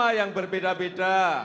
agama yang berbeda beda